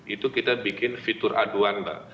itu kita bikin fitur aduan mbak